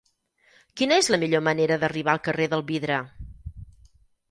Quina és la millor manera d'arribar al carrer del Vidre?